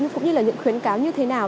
cũng như là những khuyến cáo như thế nào